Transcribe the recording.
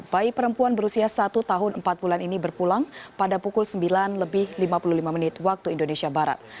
bayi perempuan berusia satu tahun empat bulan ini berpulang pada pukul sembilan lebih lima puluh lima menit waktu indonesia barat